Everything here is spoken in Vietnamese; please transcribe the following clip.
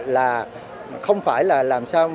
là không phải là làm sao